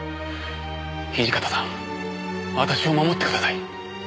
土方さん私を守ってください。